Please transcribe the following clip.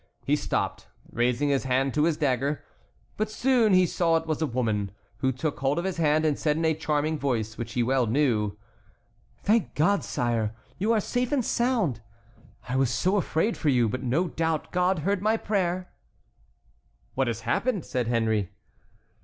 He stopped, raising his hand to his dagger. But he soon saw it was a woman, who took hold of his hand and said in a charming voice which he well knew: "Thank God, sire, you are safe and sound. I was so afraid for you, but no doubt God heard my prayer." "What has happened?" said Henry.